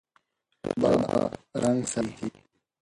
ژبه رنګ ساتي.